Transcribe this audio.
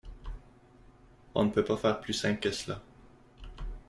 On ne peut pas faire plus simple que cela.